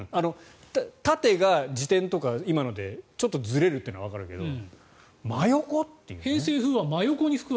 縦が自転とか今のでちょっとずれるのはわかるけど偏西風は真横に吹く。